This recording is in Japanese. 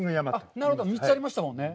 なるほど、３つ、ありましたもんね。